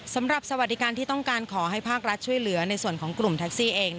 สำหรับสวัสดิการที่ต้องการขอให้ภาครัฐช่วยเหลือในส่วนของกลุ่มแท็กซี่เอง